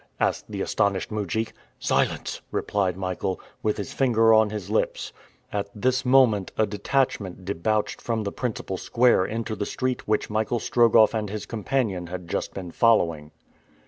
asked the astonished mujik. "Silence!" replied Michael, with his finger on his lips. At this moment a detachment debouched from the principal square into the street which Michael Strogoff and his companion had just been following.